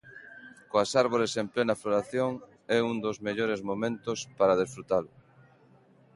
Coas árbores en plena floración, é un dos mellores momentos para desfrutalo.